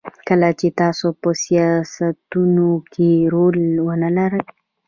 کله چې تاسو په سیاستونو کې رول ونلرئ.